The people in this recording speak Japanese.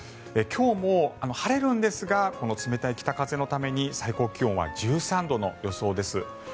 今日も晴れるんですがこの冷たい北風のために最高気温は１３度の予想です。